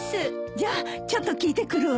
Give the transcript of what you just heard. じゃあちょっと聞いてくるわ。